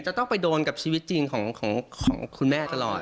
จะต้องไปโดนกับชีวิตจริงของคุณแม่ตลอด